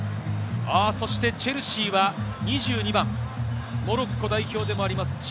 そしてチェルシーは２２番、モロッコ代表でもあります